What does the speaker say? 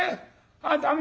ああ駄目